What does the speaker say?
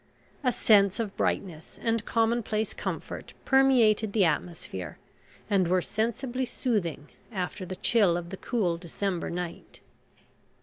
A sense of brightness and commonplace comfort permeated the atmosphere, and were sensibly soothing after the chill of the cool December night.